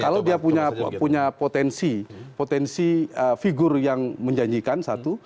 kalau dia punya potensi potensi figur yang menjanjikan satu